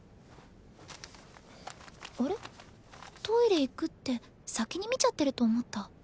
「トイレ行く」って先に見ちゃってると思った。